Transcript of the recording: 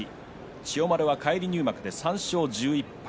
千代丸が返り入幕で３勝１１敗。